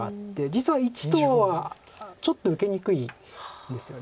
実は①とはちょっと受けにくいんですよね。